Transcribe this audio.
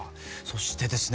そしてですね